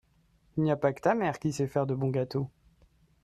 Il n'y a pas que ta mère qui sait faire de bons gâteaux.